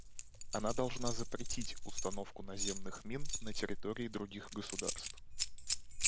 Она должна запретить установку наземных мин на территории других государств.